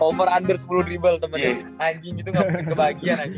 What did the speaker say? over under sepuluh dribble temennya anjing gitu ngakurin kebahagiaan anjing